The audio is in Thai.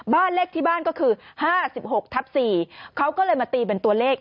บ้านเลขที่บ้านก็คือ๕๖ทับ๔เขาก็เลยมาตีเป็นตัวเลข